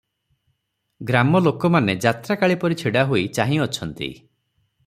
ଗ୍ରାମଲୋକମାନେ ଯାତ୍ରାକାଳୀପରି ଛିଡ଼ାହୋଇ ଚାହିଁଅଛନ୍ତି ।